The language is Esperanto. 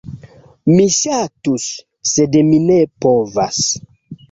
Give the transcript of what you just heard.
Mi ŝatus, sed mi ne povas.